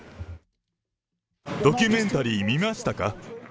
ドキュメンタリー見ましたか？